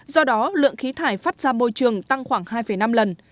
do đó lượng khí thải phát ra môi trường tăng khoảng hai năm lần